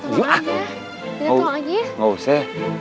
iya jangan minta tolong aja